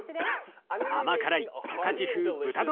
甘辛い十勝風豚丼